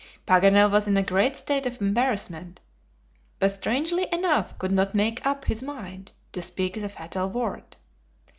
Paganel was in a great state of embarrassment, but strangely enough could not make up his mind to speak the fatal word.